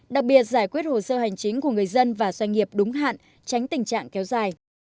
đặc biệt giải quyết hồ sơ hành chính của người dân và doanh nghiệp đúng hạn tránh tình trạng kéo dài